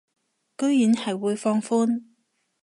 居然係會放寬